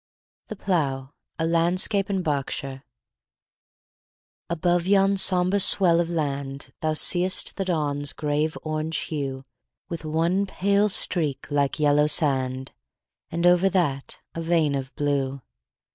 The Plough A LANDSCAPE IN BERKSHIRE ABOVE yon sombre swell of land Thou see'st the dawn's grave orange hue, With one pale streak like yellow sand, And over that a vein of blue.